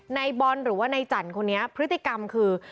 ในบอลหรือว่าในจันทร์คนนี้พฤติกรรมคือ